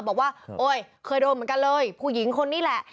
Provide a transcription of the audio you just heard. บอกว่าโอ๊ยเคยโดนเหมือนกันเลยผู้หญิงคนนี้แหละ